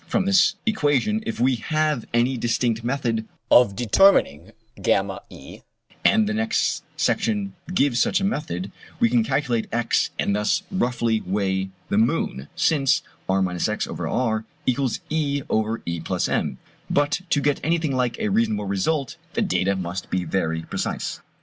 From this equation, if we have any distinct method of determining VE (and the next section gives such a method), we can calculate x and thus roughly weigh the moon, since r x E =, r E+M but to get anything like a reasonable result the data must be very precise.